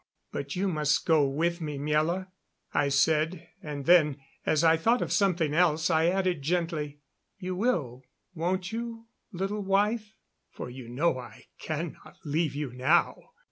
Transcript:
"But you must go with me, Miela," I said, and then, as I thought of something else, I added gently: "You will, won't you, little wife? For you know I cannot leave you now."